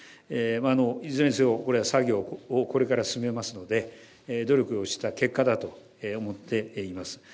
いずれにせよ、作業をこれから進めますので、努力をした結果だと思っています。